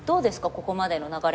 ここまでの流れは。